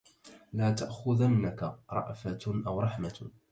لا تأخذنك رأفة أو رحمة